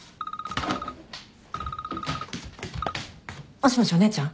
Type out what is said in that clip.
もしもしお姉ちゃん？